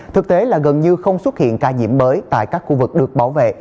thực tế là gần như không xuất hiện ca nhiễm mới tại các khu vực được bảo vệ